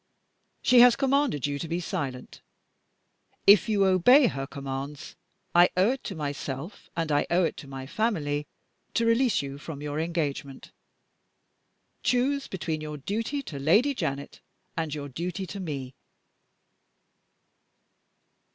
She has commanded you to be silent. If you obey her commands, I owe it to myself and I owe it to my family to release you from your engagement. Choose between your duty to Lady Janet and your duty to Me."